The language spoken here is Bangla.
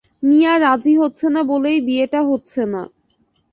মিয়া রাজি হচ্ছে না বলেই বিয়েটা হচ্ছে না।